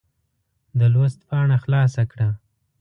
د لوست پاڼه خلاصه کړه.